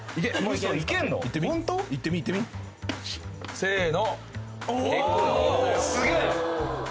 せーの。